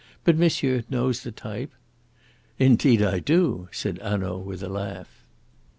But monsieur knows the type." "Indeed I do," said Hanaud, with a laugh.